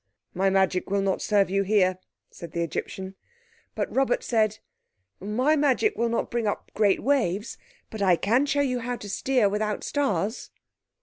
"My magic will not serve you here," said the Egyptian. But Robert said, "My magic will not bring up great waves, but I can show you how to steer without stars."